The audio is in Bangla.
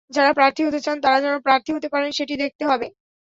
যাঁরা প্রার্থী হতে চান, তাঁরা যেন প্রার্থী হতে পারেন, সেটি দেখতে হবে।